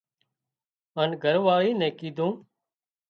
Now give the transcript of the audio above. هانَ گھر واۯي نين ڪيڌون